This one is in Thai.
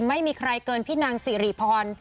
ไม่มีใครเกินพี่นางสิริพร